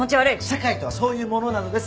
社会とはそういうものなのです。